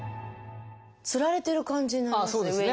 つられてる感じになりますね